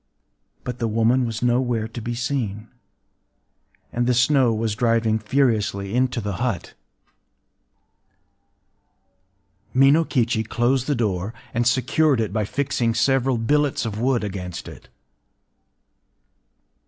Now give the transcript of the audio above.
But the woman was nowhere to be seen; and the snow was driving furiously into the hut. Minokichi closed the door, and secured it by fixing several billets of wood against it.